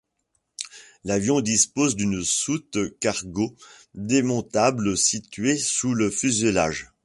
L'avion dispose d'une soute cargo démontable située sous le fuselage.